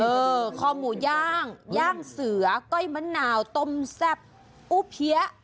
คอหมูย่างย่างเสือก้อยมะนาวต้มแซ่บอูเพี้ย